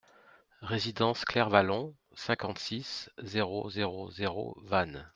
Résidence Clair Vallon, cinquante-six, zéro zéro zéro Vannes